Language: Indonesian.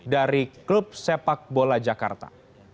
dari klub sepak bola jakarta